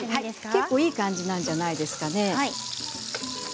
結構いい感じじゃないですかね。